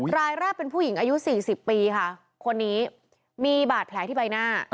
รายแรกเป็นผู้หญิงอายุ๔๐ปีค่ะคนนี้มีบาดแผลที่ใบหน้า